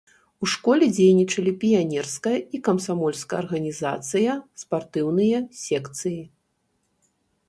У школе дзейнічалі піянерская і камсамольская арганізацыя, спартыўныя секцыі.